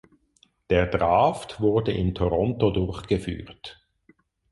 Der Draft wurde in Toronto durchgeführt.